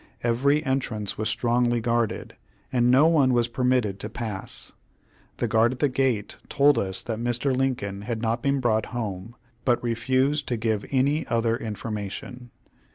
Every entrance was strongly guarded, and no one was permitted to pass. The guard at the gate told us that Mr. Lincoln had not been brought home, but refused to give any other information.